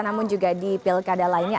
namun juga di pilkada lainnya